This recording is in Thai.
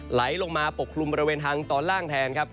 ไหลลงมาปกคลุมบริเวณทางตอนล่างแทนครับ